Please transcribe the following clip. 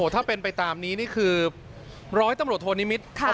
ถ้าเป็นไปตามนี้นี่คือร้อยตำรวจโทนิมิตร